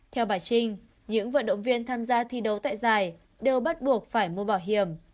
theo bà trinh những vận động viên tham gia thi đấu tại giải đều bắt buộc phải mua bảo hiểm